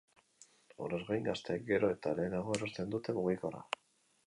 Horrez gain, gazteek gero eta lehenago erosten dute mugikorra.